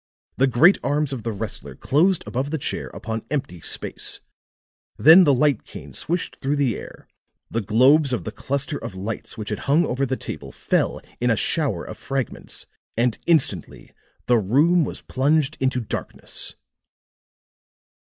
The great arms of the wrestler closed above the chair upon empty space; then the light cane swished through the air; the globes of the cluster of lights which had hung over the table fell in a shower of fragments, and instantly the room was plunged into darkness.